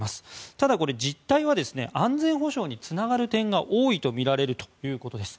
ただこれ、実態は安全保障につながる点が多いとみられるということです。